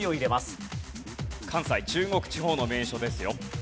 関西・中国地方の名所ですよ。